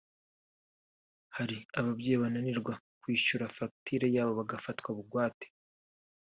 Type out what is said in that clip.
hari ababyeyi bananirwa kwishyura fagitire yabo bagafatwa bugwate